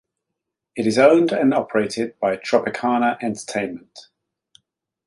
It is owned and operated by Tropicana Entertainment.